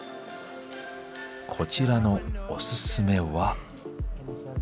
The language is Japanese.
こちらのおすすめは。